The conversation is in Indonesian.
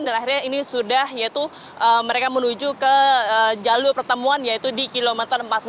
dan akhirnya ini sudah yaitu mereka menuju ke jalur pertemuan yaitu di kilometer empat puluh delapan